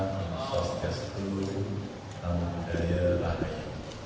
sholat sholat ya sastu namah budaya lahir